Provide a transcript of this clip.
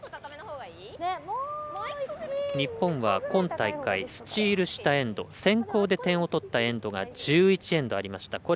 日本は今大会スチールしたエンド先攻で点を取ったエンドが１１エンドありました。